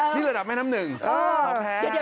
นี่ระดับแม่น้ำหนึ่งเราแพ้